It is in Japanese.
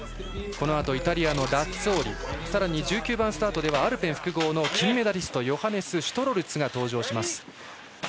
このあとイタリアのラッツォーリさらに、１９番スタートではアルペン複合の金メダリストヨハネス・シュトロルツが登場。